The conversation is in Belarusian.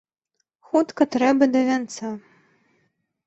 Хутка трэба да вянца.